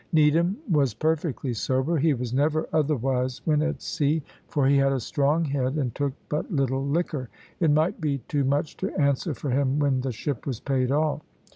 Needham was perfectly sober; he was never otherwise when at sea, for he had a strong head, and took but little liquor. It might be too much to answer for him when the ship was paid off.